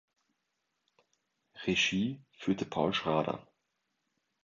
Regie führte Paul Schrader.